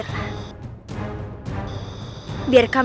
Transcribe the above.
ibu punya ikat